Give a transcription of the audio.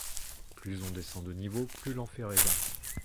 Plus on descend de niveau plus l'enfer est grand.